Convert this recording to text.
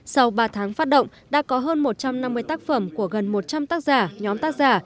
sau ba tháng phát động đã có hơn một trăm năm mươi tác phẩm của gần một trăm linh tác giả nhóm tác giả